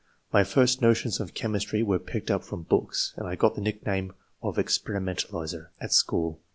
My first no tions of cliemistry were picked up from books, and I got the nickname of * experimentalizer ' at school.